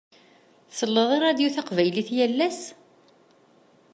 Tselleḍ i ṛṛadio taqbaylit yal ass?